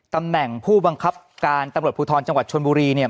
ตำแหน่งผู้บังคับการตำรวจภูทรจังหวัดชนบุรีเนี่ย